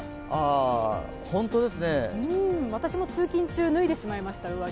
私も通勤中、上着を脱いでしまいました。